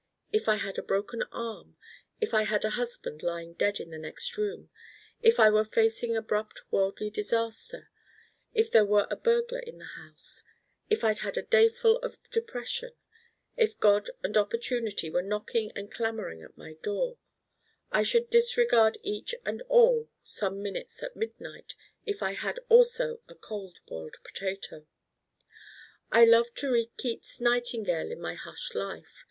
If I had a broken arm: if I had a husband lying dead in the next room: if I were facing abrupt worldly disaster: if there were a burglar in the house: if I'd had a dayful of depression: if God and opportunity were knocking and clamoring at my door: I should disregard each and all some minutes at midnight if I had also a Cold Boiled Potato. I love to read Keats's Nightingale in my hushed life.